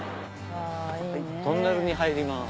トンネルに入ります。